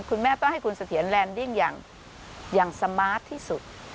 คุณแม่ต้องให้คุณเสถียรแลนดิ้งอย่างสมาร์ทที่สุด